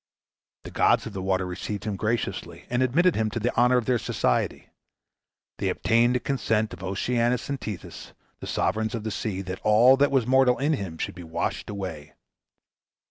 The gods of the water received him graciously, and admitted him to the honor of their society. They obtained the consent of Oceanus and Tethys, the sovereigns of the sea, that all that was mortal in him should be washed away.